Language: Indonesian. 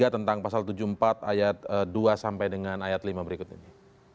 tentang pasal tujuh puluh empat ayat dua sampai dengan ayat lima berikut ini